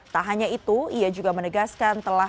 tak hanya itu ia juga menegaskan telah